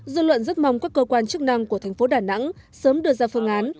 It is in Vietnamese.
dư luận rất mong các cơ quan chức năng của thành phố đà nẵng sớm đưa ra phương án